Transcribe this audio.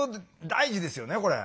大事ですよねこれ。